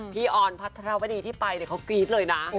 พี่อ่อนพัฒนาวดีที่ไปเดี๋ยวเขากรี๊ดเลยนะ